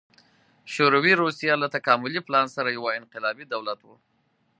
شوروي روسیه له تکاملي پلان سره یو انقلابي دولت و